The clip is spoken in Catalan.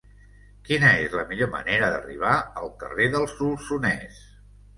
Quina és la millor manera d'arribar al carrer del Solsonès?